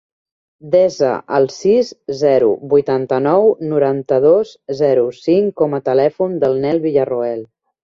Desa el sis, zero, vuitanta-nou, noranta-dos, zero, cinc com a telèfon del Nel Villarroel.